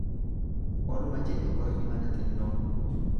Oluma jedhe warri mana xinnoo.